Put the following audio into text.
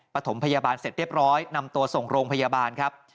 ถมพยาบาลเสร็จเรียบร้อยนำตัวส่งโรงพยาบาลครับ